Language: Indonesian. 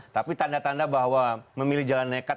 tapi tanda tanda bahwa memilih jalan nekat